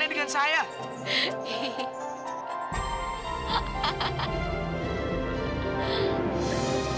terry kamu tahu apaan sih